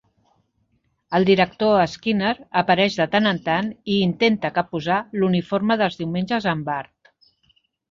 El director Skinner apareix de tant en tant i intenta que posar l'uniforme dels diumenges a en Bart.